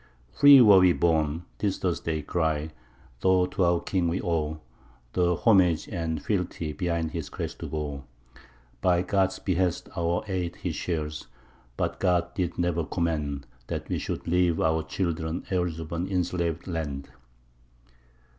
Free were we born, 'tis thus they cry, though to our king we owe The homage and the fealty behind his crest to go: By God's behest our aid he shares, but God did ne'er command That we should leave our children heirs of an enslavèd land.